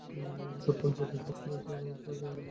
দুর্বল জায়গা আঘাত করে শুরুতেই গোল আদায়ের কথা বললেন তাদের কোচ।